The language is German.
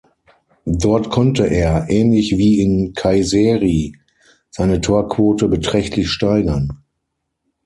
Dort konnte er, ähnlich wie in Kayseri, seine Torquote beträchtlich steigern.